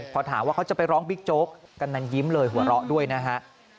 พอถามว่าเขาจะไปร้องบิ๊กโจ๊กกำนันยิ้มเลยหัวเราะด้วยนะฮะ